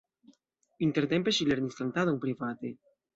Intertempe ŝi lernis kantadon private.